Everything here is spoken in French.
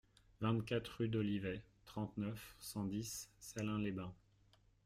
vingt-quatre rue d'Olivet, trente-neuf, cent dix, Salins-les-Bains